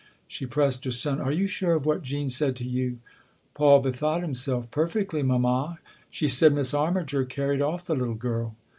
She pressed her son. " Are you sure of what Jean said to you ?" Paul bethought himself. " Perfectly, mamma. She said Miss Armiger carried off the little girl."